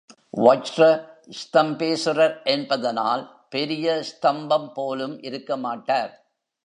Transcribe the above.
வஜ்ரஸ்தம்பேசுரர் என்பதனால் பெரியஸ்தம்பம் போலும் இருக்கமாட்டார்.